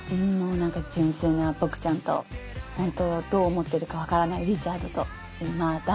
もう何か純粋なボクちゃんと本当はどう思ってるか分からないリチャードとまあ